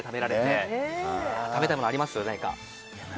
何か食べたいものありますか？